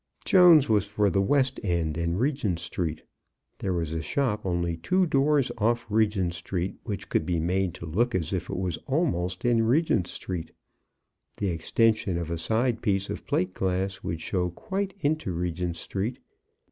Jones was for the West End and Regent Street. There was a shop only two doors off Regent Street, which could be made to look as if it was almost in Regent Street. The extension of a side piece of plate glass would show quite into Regent Street.